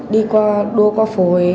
đi qua đua qua phố ấy